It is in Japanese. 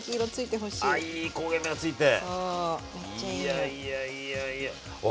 いやいやいやいや。わ